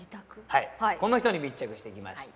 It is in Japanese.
はいこの人に密着してきました